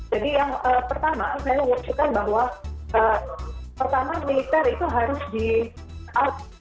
jadi yang pertama saya ucapkan bahwa pertama militer itu harus di out